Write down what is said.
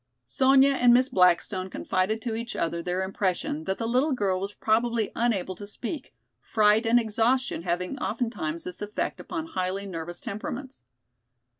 Sonya and Miss Blackstone confided to each other their impression that the little girl was probably unable to speak, fright and exhaustion having oftentimes this effect upon highly nervous temperaments.